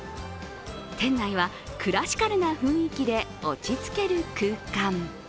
店内はクラシカルな雰囲気で落ち着ける空間。